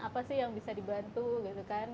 apa sih yang bisa dibantu gitu kan